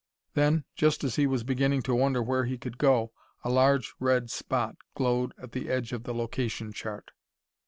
Then, just as he was beginning to wonder where he could go, a large red spot glowed at the edge of the location chart.